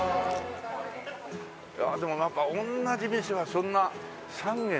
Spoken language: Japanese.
いやでもなんか同じ店はそんな３軒とないね。